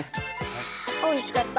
はぁおいしかった